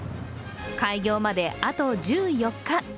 開業まで、あと１４日。